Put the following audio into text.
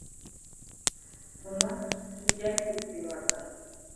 Кунаҡ, китәм тип, һыйлата